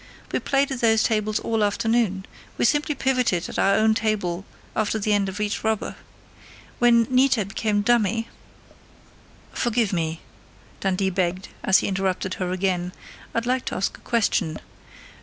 We played at those tables all afternoon. We simply pivoted at our own table after the end of each rubber. When Nita became dummy " "Forgive me," Dundee begged, as he interrupted her again. "I'd like to ask a question